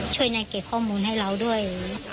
ช่วยในเก็บข้อมูลให้เราด้วย